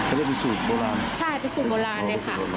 ไม่ได้เป็นสูตรโบราณเหรอคะใช่เป็นสูตรโบราณเลยค่ะ